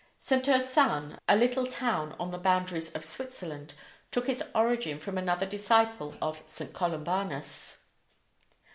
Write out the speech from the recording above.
St. Ursanne, a little town on the boundaries of Switzerland, took its origin from another disciple of St. Columbanus.